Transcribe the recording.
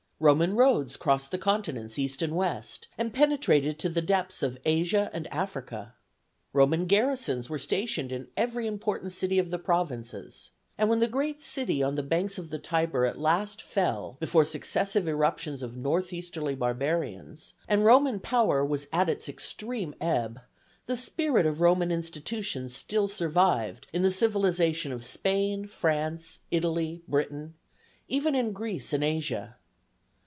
Roman roads crossed the continents east and west and penetrated to the depths of Asia and Africa. Roman garrisons were stationed in every important city of the provinces, and when the great city on the banks of the Tiber at last fell before successive irruptions of northeasterly barbarians and Roman power was at its extreme ebb, the spirit of Roman institutions still survived in the civilization of Spain, France, Italy, Britain, even in Greece and Asia.